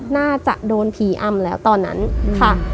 น่าจะโดนผีอำแล้วตอนนั้นค่ะ